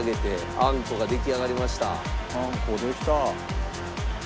あんこできた。